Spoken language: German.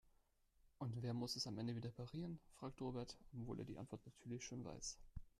Und wer muss es am Ende wieder reparieren?, fragt Robert, obwohl er die Antwort natürlich schon weiß.